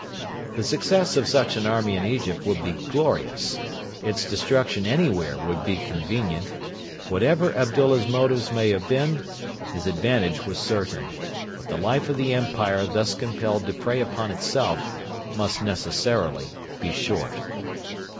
] The success of such an army in Egypt would be glorious. Its destruction anywhere would be convenient. Whatever Abdullah's motives may have been, his advantage was certain. But the life of the empire thus compelled to prey upon itself must necessarily be short.